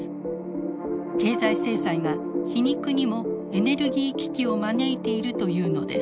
経済制裁が皮肉にもエネルギー危機を招いているというのです。